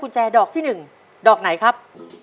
คุณแจดอกที่๑ดอกไหนครับ